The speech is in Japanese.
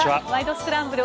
スクランブル」